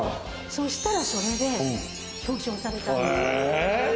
そしたらそれで表彰されたんです。